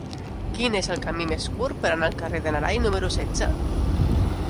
Quin és el camí més curt per anar al carrer de n'Arai número setze?